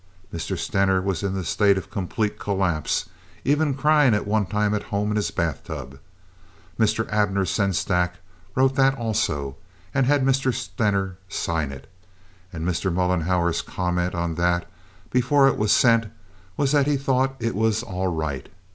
Mr. Stener was in a state of complete collapse, even crying at one time at home in his bathtub. Mr. Abner Sengstack wrote that also, and had Mr. Stener sign it. And Mr. Mollenhauer's comment on that, before it was sent, was that he thought it was "all right."